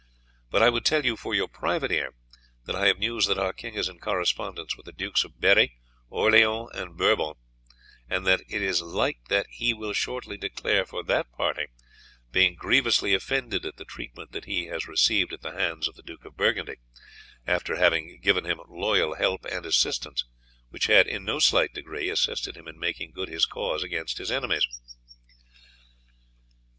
But I would tell you for your private ear, that I have news that our king is in correspondence with the Dukes of Berri, Orleans, and Bourbon, and that it is like that he will shortly declare for that party, being grievously offended at the treatment that he has received at the hands of the Duke of Burgundy after having given him loyal help and assistance which had, in no slight degree, assisted him in making good his cause against his enemies.